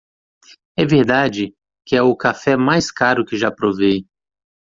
É verdade que? é o café mais caro que já provei.